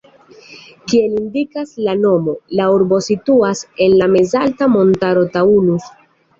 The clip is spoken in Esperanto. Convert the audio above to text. Kiel indikas la nomo, la urbo situas en la mezalta montaro Taunus.